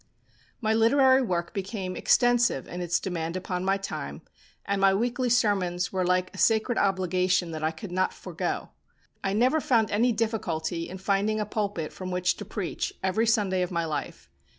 My literary work became extensive in its demand upon my time, and my weekly sermons were like a sacred obligation that I could not forego. I never found any difficulty in finding a pulpit from which to preach every Sunday of my life.